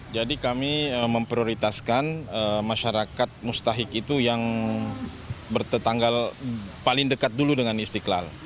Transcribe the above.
jadi kami memprioritaskan masyarakat mustahik itu yang bertetanggal paling dekat dulu dengan istiqlal